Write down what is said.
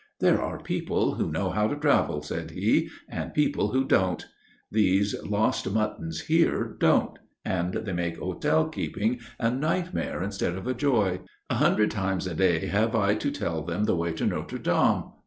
"There are people who know how to travel," said he, "and people who don't. These lost muttons here don't, and they make hotel keeping a nightmare instead of a joy. A hundred times a day have I to tell them the way to Notre Dame.